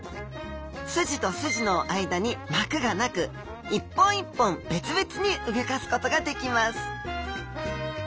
スジとスジの間に膜がなく一本一本別々に動かすことができます